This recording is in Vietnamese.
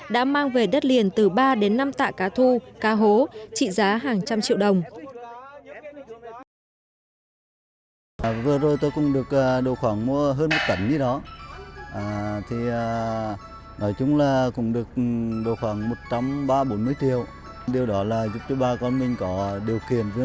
đã mang về đất liền từ ba đến năm tạ cá thu cá hố trị giá hàng trăm triệu đồng